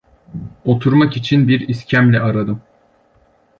Oturmak için bir iskemle aradım.